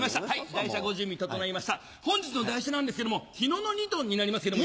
代車ご準備整いました本日の代車なんですけどもヒノノニトンになりますけども。